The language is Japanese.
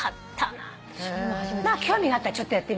興味があったらちょっとやってみて。